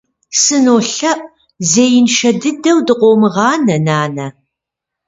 СынолъэӀу, зеиншэ дыдэу дыкъыумыгъанэ, нанэ.